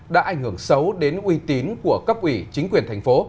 đã ảnh hưởng xấu đến uy tín của cấp ủy chính quyền thành phố